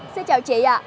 xin chào chị ạ